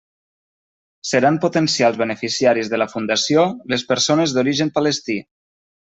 Seran potencials beneficiaris de la Fundació les persones d'origen palestí.